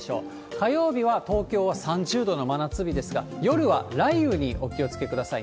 火曜日は東京は３０度の真夏日ですが、夜は雷雨にお気をつけください。